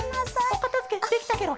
おかたづけできたケロ。